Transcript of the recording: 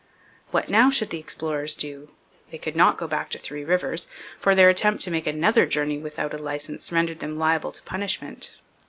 What now should the explorers do? They could not go back to Three Rivers, for their attempt to make another journey without a licence rendered them liable to punishment.